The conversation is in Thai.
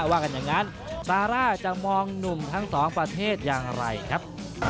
ว่ากันอย่างนั้นซาร่าจะมองหนุ่มทั้งสองประเทศอย่างไรครับ